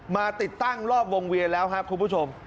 ติดตั้งรอบวงเวียนแล้วครับคุณผู้ชม